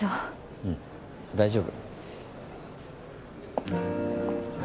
うん大丈夫。